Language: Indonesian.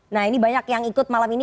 nah ini banyak yang ikut malam ini